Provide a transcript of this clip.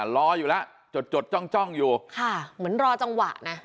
รออยู่แล้วจดจดจ้องจ้องอยู่ค่ะเหมือนรอจังหวะนะ